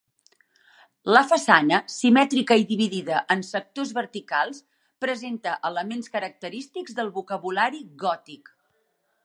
La façana, simètrica i dividida en sectors verticals, presenta elements característics del vocabulari gòtic.